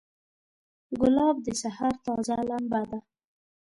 ګلاب د سحر تازه لمبه ده.